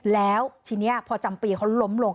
แล้วทีนี้พอจำปีเขาล้มลง